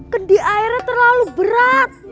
kedih airnya terlalu berat